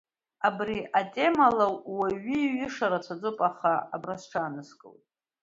Абри атемала оҩы ииҩша рацәаӡоуп, аха абра сҽааныскылоит…